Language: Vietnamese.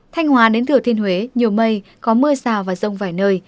thanh hòa đến thừa thiên huế nhiều mây có mưa rào và rông vài nơi